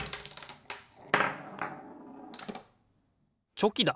チョキだ！